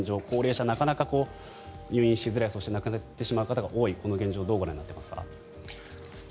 高齢者、なかなか入院しづらいそして亡くなってしまう方が多いこの現状についてどうご覧になっていますか？